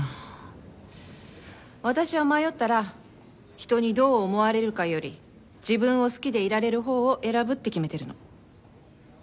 私は迷ったら人にどう思われるかより自分を好きでいられるほうを選ぶって決めてるの。